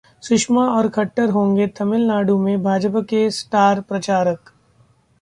सुषमा और खट्टर होंगे तमिलनाडु में भाजपा के स्टार प्रचारक